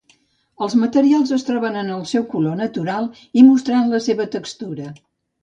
Els materials es troben en el seu color natural i mostrant la seva textura.